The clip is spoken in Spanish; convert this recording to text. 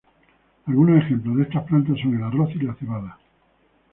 Algunos ejemplos de estas plantas son el arroz y la cebada.